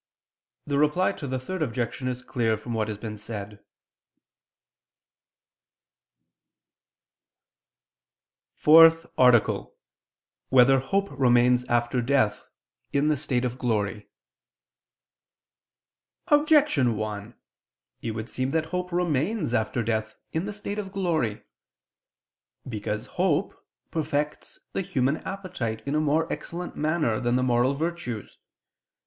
The Reply to the Third Objection is clear from what has been said. ________________________ FOURTH ARTICLE [I II, Q. 67, Art. 4] Whether Hope Remains After Death, in the State of Glory? Objection 1: It would seem that hope remains after death, in the state of glory. Because hope perfects the human appetite in a more excellent manner than the moral virtues.